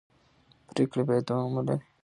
پرېکړې باید دوام ولري